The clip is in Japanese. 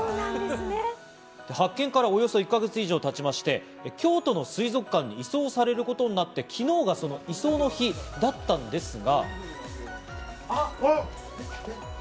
発見からおよそ１か月以上経ちまして、京都の水族館に移送されることになって、昨日がその移送の日だったんですが。